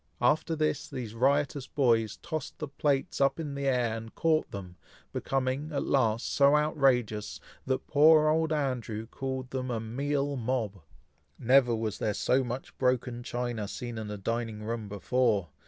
After this, these riotous boys tossed the plates up in the air, and caught them, becoming, at last, so outrageous, that poor old Andrew called them a "meal mob." Never was there so much broken china seen in a dining room before!